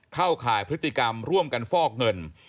เข้าข่ายพฤติกรรมร่วมกันฟอกเงิน